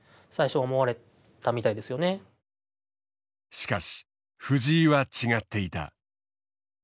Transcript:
しかし藤井は違っていた。